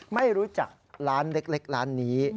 ไม่รู้จักร้านเล็กร้านนี้